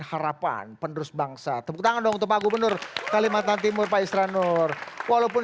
harapan penerus bangsa tepuk tangan dong tempat gubernur kalimantan timur pak isra nur walaupun